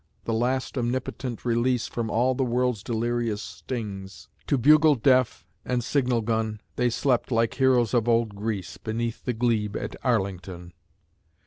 The last omnipotent release From all the world's delirious stings. To bugle deaf and signal gun, They slept, like heroes of old Greece, Beneath the glebe at Arlington.